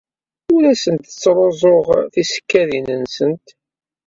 Ur asent-ttruẓuɣ tisekkadin-nsent.